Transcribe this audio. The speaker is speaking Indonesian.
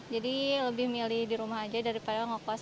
jadi lebih milih di rumah aja daripada ngokos